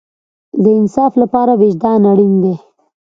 د انصاف لپاره وجدان اړین دی